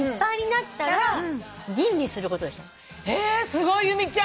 すごい由美ちゃん！